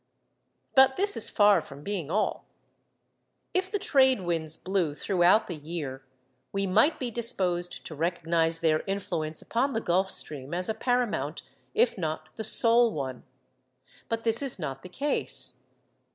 But this is far from being all. If the trade winds blew throughout the year, we might be disposed to recognise their influence upon the Gulf Stream as a paramount, if not the sole one. But this is not the case.